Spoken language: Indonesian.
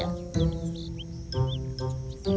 aku sudah berhenti